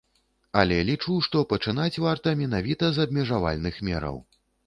Але лічу, што пачынаць варта менавіта з абмежавальных мераў.